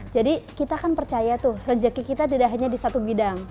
jadi kita kan percaya tuh rezeki kita tidak hanya di satu bidang